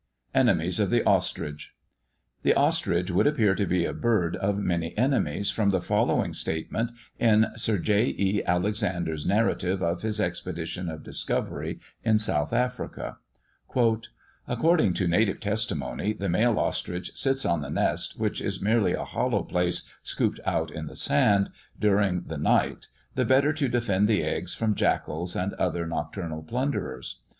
ENEMIES OF THE OSTRICH. The ostrich would appear to be a bird of many enemies, from the following statement in Sir J. E. Alexander's narrative of his Expedition of Discovery in South Africa: "According to native testimony, the male ostrich sits on the nest (which is merely a hollow place scooped out in the sand) during the night, the better to defend the eggs from jackals and other nocturnal plunderers.